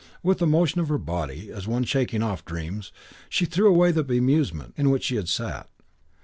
With a motion of her body, as of one shaking off dreams, she threw away the be musement in which she had sat.